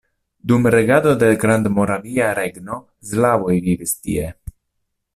Dum regado de Grandmoravia Regno slavoj vivis tie.